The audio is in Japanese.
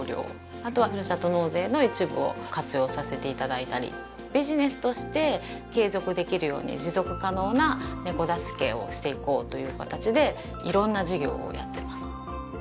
あとはふるさと納税の一部を活用させていただいたりビジネスとして継続できるように持続可能な猫助けをしていこうという形でいろんな事業をやってます